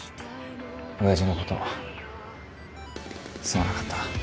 おやじのことすまなかった。